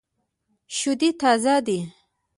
شودې تازه دي.